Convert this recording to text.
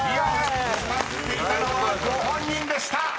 ［歌っていたのはご本人でした］